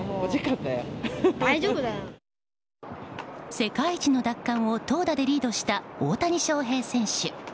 世界一の奪還を投打でリードした大谷翔平選手。